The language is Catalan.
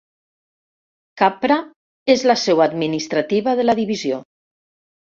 Chhapra és la seu administrativa de la divisió.